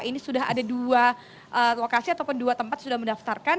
ini sudah ada dua lokasi ataupun dua tempat sudah mendaftarkan